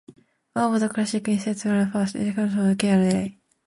One of the classic instances was in the First Edition of K and R.